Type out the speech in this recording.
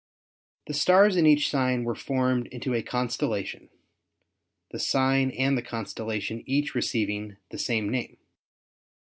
The stars in each sign were formed into a constellation, the sign and the constellation each receiving the same name.